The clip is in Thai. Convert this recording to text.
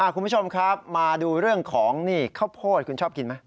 คุณผู้ชมครับมาดูเรื่องของนี่ข้าวโพดคุณชอบกินไหม